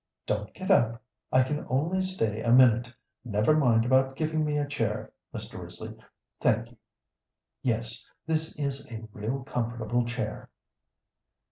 "Don't get up; I can only stay a minute. Never mind about giving me a chair, Mr. Risley thank you. Yes, this is a real comfortable chair."